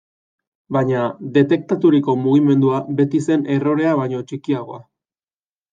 Baina, detektaturiko mugimendua beti zen errorea baino txikiagoa.